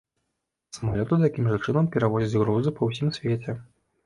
Самалёты такім жа чынам перавозяць грузы па ўсім свеце.